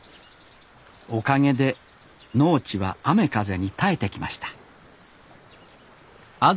おかげで農地は雨風に耐えてきました